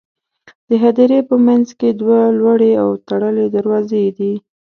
د هدیرې په منځ کې دوه لوړې او تړلې دروازې دي.